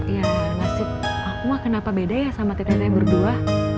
ya nasib aku mah kenapa beda ya sama tete tete berdua